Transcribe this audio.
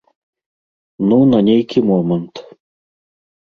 Ну, на нейкі момант.